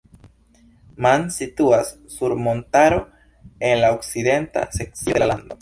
Man situas sur montaro en la okcidenta sekcio de la lando.